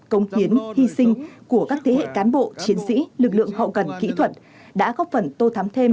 công hiến hy sinh của các thế hệ cán bộ chiến sĩ lực lượng hậu cần kỹ thuật đã góp phần tô thắm thêm